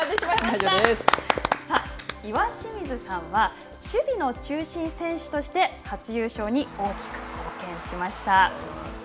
さあ、岩清水さんは守備の中心選手として、初優勝に大きく貢献しました。